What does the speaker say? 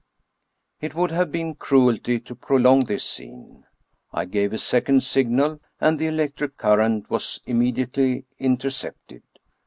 It would have been cruelty to prolong thjs scene. I gave a second signal, and the electric current was im mediately intercepted.